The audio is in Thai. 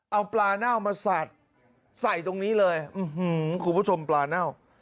เอาปลาเน่ามาสัดใส่ตรงนี้เลยคุณผู้ชมปลาเน่า